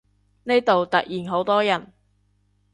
呢度突然好多人